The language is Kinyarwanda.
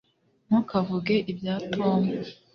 ntukavuge ibya tom